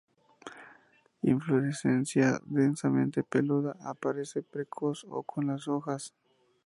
Inflorescencia densamente peluda, aparece precoz o con las hojas.